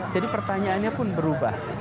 jadi pertanyaannya pun berubah